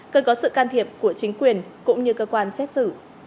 cần có sự can thiệp của chính quyền cũng như cơ quan xét xử